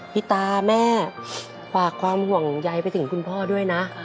พี่ตาแม่ฝากความห่วงใยไปถึงคุณพ่อด้วยนะ